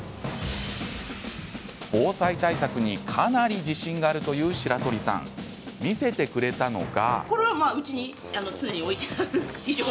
防災対策にかなり自信があるという白鳥さん見せてくれたのが。